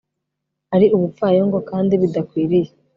ari ubupfayongo kandi bidakwiriye